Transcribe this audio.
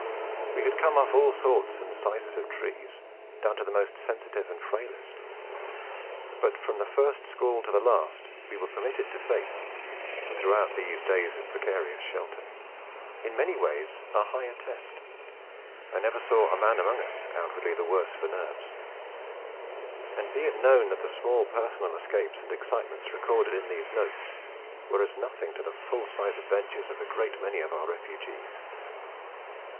We had come off all sorts and sizes of trees, down to the most sensitive and frailest; but from the first squall to the last we were permitted to face, and throughout these days of precarious shelter, in many ways a higher test, I never saw a man among us outwardly the worse for nerves. And be it known that the small personal escapes and excitements recorded in these notes, were as nothing to the full size adventures of a great many of our refugees.